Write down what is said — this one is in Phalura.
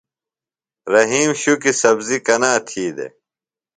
رحیم شُکیۡ سبزیۡ کنا تھی دےۡ ؟